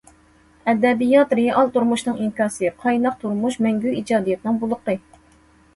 ئەدەبىيات رېئال تۇرمۇشنىڭ ئىنكاسى، قايناق تۇرمۇش مەڭگۈ ئىجادىيەتنىڭ بۇلىقى.